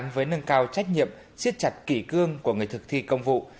với nâng cao trách nhiệm siết chặt kỷ cương của người thực thi công vụ